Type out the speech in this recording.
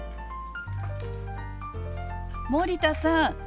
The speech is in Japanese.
森田さん